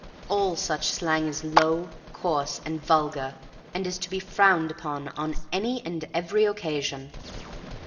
All such slang is low, coarse and vulgar and is to be frowned upon on any and every occasion.